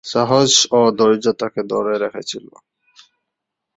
সাহস ও ধৈর্য তাকে ধরে রেখেছিল।